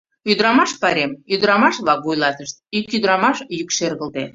— Ӱдырамаш пайрем, ӱдырамаш-влак вуйлатышт, — ик ӱдырамаш йӱк шергылте.